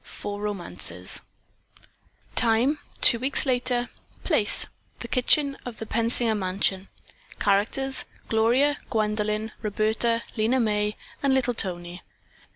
FOUR ROMANCES Time Two weeks later. Place Kitchen of the Pensinger mansion. Characters Gloria, Gwendolyn, Roberta, Lena May and little Tony.